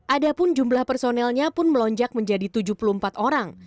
adapun jumlah personelnya pun melonjak menjadi tujuh puluh empat orang